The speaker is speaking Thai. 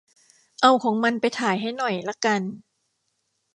เอา ของมันไปถ่ายให้หน่อยละกัน